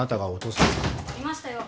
いましたよ。